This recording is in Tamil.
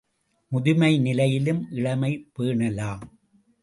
முதுமை நிலையிலும் இளமை பேணலாம்.